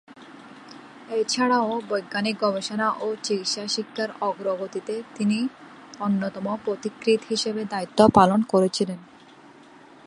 এছাড়াও, বৈজ্ঞানিক গবেষণা ও চিকিৎসা শিক্ষার অগ্রগতিতে তিনি অন্যতম পথিকৃৎ হিসেবে দায়িত্ব পালন করেছিলেন।